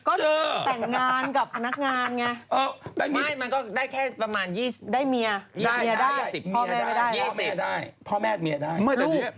พ่อแม่ไม่ได้หรอ๒๐ฯพอแม่ได้ประมาณ๒๐